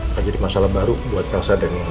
akan jadi masalah baru buat elsa dan nino